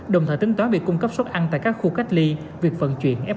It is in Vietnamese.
đồng thời tính tóa việc cung cấp suất ăn tại các khu cách ly việc phận chuyển f